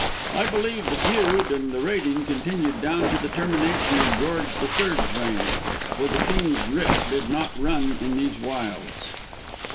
I believe the feud and the raiding continued down to the termination of George the Third's reign, for the King's writ did not run in these wilds."